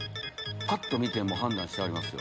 ぱっと見て判断してはりますよ。